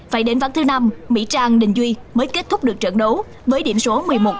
phải đến ván thứ năm mỹ trang đình duy mới kết thúc được trận đấu với điểm số một mươi một